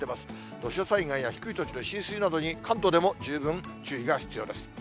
土砂災害や低い土地の浸水などに、関東でも十分注意が必要です。